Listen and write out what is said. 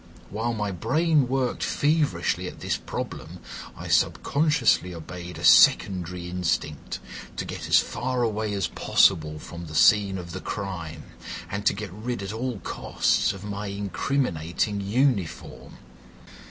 While my brain worked feverishly at this problem, I subconsciously obeyed a secondary instinct—to get as far away as possible from the scene of the crime, and to get rid at all costs of my incriminating uniform.